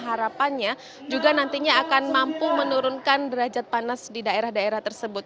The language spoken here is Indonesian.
harapannya juga nantinya akan mampu menurunkan derajat panas di daerah daerah tersebut